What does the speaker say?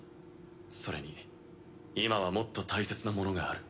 それに今はもっと大切なものがある。